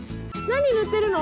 何塗ってるの？